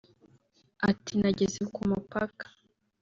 Ati “Nageze ku mupaka